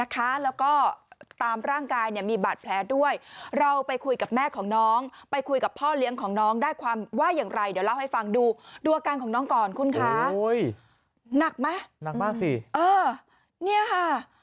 ของน้องก่อนคุณคะโอ้ยหนักไหมหนักมากสิเออเนี่ยค่ะ